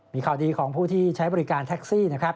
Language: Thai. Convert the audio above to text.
มีข่าวดีของผู้ที่ใช้บริการแท็กซี่นะครับ